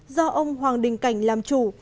do ông hoàng đình cảnh làm chủ